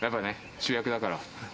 主役だから。